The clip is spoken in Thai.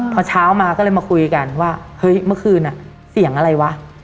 พอเช้ามาก็เลยมาคุยกันว่าเฮ้ยเมื่อคืนเสียงอะไรวะ